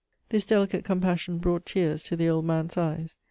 This delicate compassion brought tears to the old man's eyes.